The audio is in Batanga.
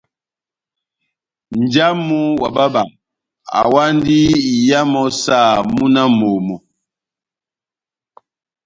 Nja wamu wa bába awandi iya mɔ́ saha múna wa momó.